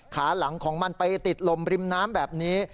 ขาหลังของมันไปติดลมริมน้ำแบบนี้